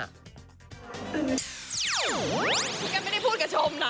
แกไม่ได้พูดกับชมนะ